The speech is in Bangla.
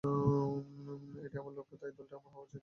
এটি আমার লক্ষ্য তাই দলটি আমার হওয়া উচিত।